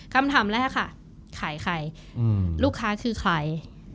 คำถามแรกค่ะขายใครลูกค้าคือใคร